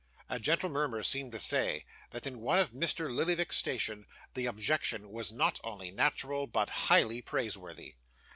A gentle murmur seemed to say, that, in one of Mr. Lillyvick's station, the objection was not only natural, but highly praiseworthy.